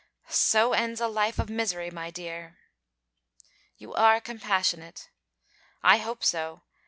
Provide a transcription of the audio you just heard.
'So ends a life of misery, my dear!' 'You are compassionate.' 'I hope so.